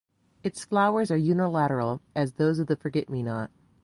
Its flowers are unilateral, as those of the forget-me-not.